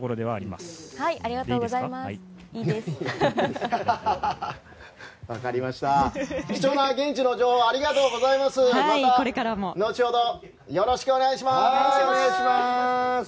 また後程よろしくお願いします。